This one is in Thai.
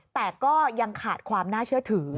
แต่ก็ยังขาดความน่าเชื่อถือ